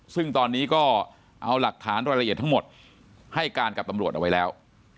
ซึ่งตอนนี้ก็เอาหลักฐานรายละเอียดทั้งหมดให้การกับตำรวจเอาไว้แล้ว